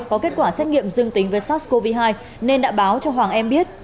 có kết quả xét nghiệm dương tính với sars cov hai nên đã báo cho hoàng em biết